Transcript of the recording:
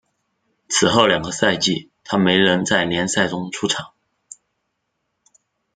此后两个赛季他没能在联赛中出场。